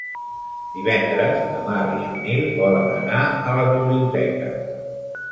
Divendres na Mar i en Nil volen anar a la biblioteca.